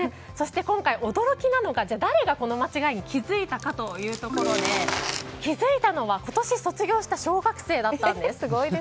そして今回、驚きなのが誰がこの間違いに気づいたかというところで気づいたのは今年卒業した小学生だったんです。